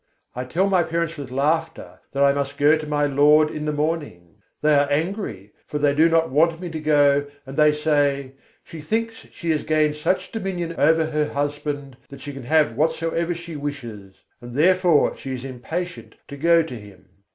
I tell my parents with laughter that I must go to my Lord in the morning; They are angry, for they do not want me to go, and they say: "She thinks she has gained such dominion over her husband that she can have whatsoever she wishes; and therefore she is impatient to go to him."